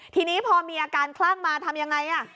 ทีนี้พอมีอาการคลั่งมาทำยังไง